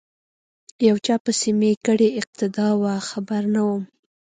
یو چا پسی می کړې اقتدا وه خبر نه وم